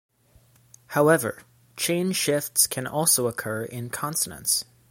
However, chain shifts can also occur in consonants.